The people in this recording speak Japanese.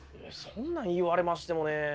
そんなん言われましてもね。